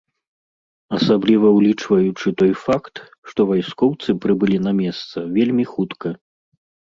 Асабліва ўлічваючы той факт, што вайскоўцы прыбылі на месца вельмі хутка.